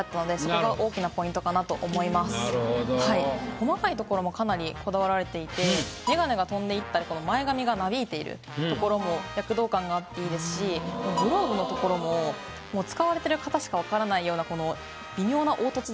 細かいところもかなりこだわられていてメガネが飛んでいったり前髪がなびいているところも躍動感があっていいですしグローブのところも使われてる方しかわからないような。